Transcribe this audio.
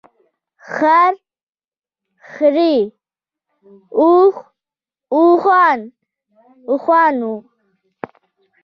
خر، خره، اوښ ، اوښان ، اوښانو .